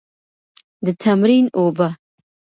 د تمرین اوبه.